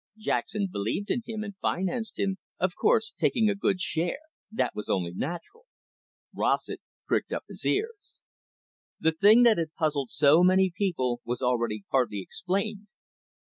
Jackson believed in him, and financed him, of course taking a good share. That was only natural." Rossett pricked up his ears. The thing that had puzzled so many people was already partly explained.